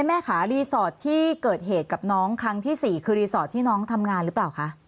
แม่ค่ะรีสอร์ทที่เกิดเหตุกับน้องครั้งที่๔คือรีสอร์ทที่น้องทำงานหรือเปล่าคะ